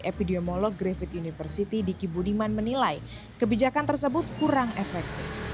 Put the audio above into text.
epidemiolog griffith university diki budiman menilai kebijakan tersebut kurang efektif